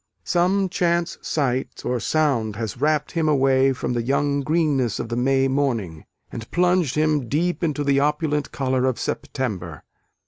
Some chance sight or sound has wrapt him away from the young greenness of the May morning, and plunged him deep into the opulent colour of September.